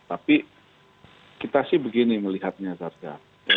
tapi kita sih begini melihatnya sarga